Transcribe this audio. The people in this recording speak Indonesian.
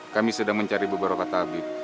kami sedang mencari beberapa tabib